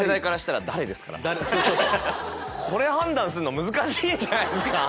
これ判断するの難しいんじゃないですか？